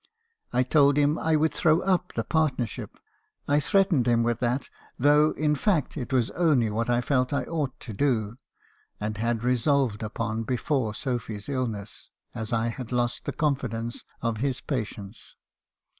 "I told him I would throw up the partnership. I threatened him with that, though, in fact, it was only what I felt I ought to do , and had resolved upon before Sophy's illness , as I had lost the confidence of his patients.